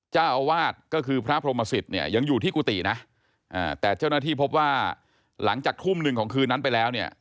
เจ้าอาวาสก็คือพระพรหมสิตเนี่ยยังอยู่ที่กุฏินะแต่เจ้าหน้าที่พบว่าหลังจากทุ่มหนึ่งของคืนนั้นไปแล้วเนี่ย